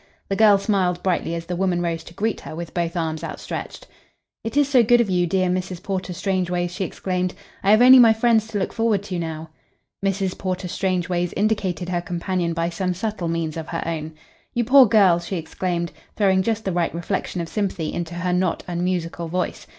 The girl smiled brightly as the woman rose to greet her with both arms outstretched. "It is so good of you, dear Mrs. Porter Strangeways," she exclaimed. "I have only my friends to look forward to now." Mrs. Porter Strangeways indicated her companion by some subtle means of her own. "You poor girl!" she exclaimed, throwing just the right reflection of sympathy into her not unmusical voice.